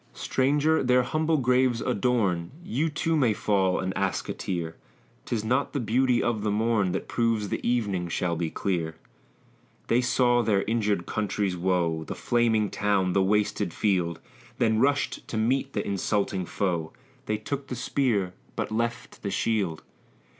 Stranger, their humble graves adorn; You too may fall and ask a tear; 'Tis not the beauty of the morn That proves the evening shall be clear They saw their injured country's woe; The flaming town, the wasted field; Then rushed to meet the insulting foe; They took the spear, but left the shield.